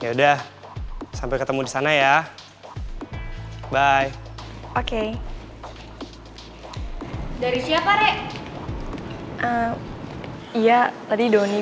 yang katanya nanti habis kita selesai istirahat kita dikumpulin